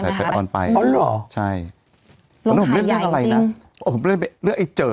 ร้านหลุมแก้วเหรอร้านหลุมแก้วเหรอร้านหลุมแก้วเหรอ